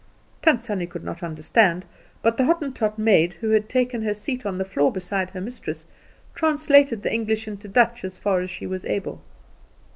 Tant Sannie could not understand; but the Hottentot maid, who had taken her seat on the floor beside her mistress, translated the English into Dutch as far as she was able.